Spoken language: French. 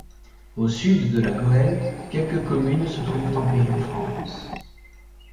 Au sud de la Goële, quelques communes se trouvent en pays de France.